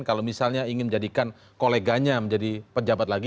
kalau misalnya ingin menjadikan koleganya menjadi pejabat lagi